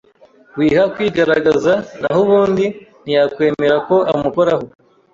wiha kwigaragaza naho ubundi ntiyakwemera ko amukoraho.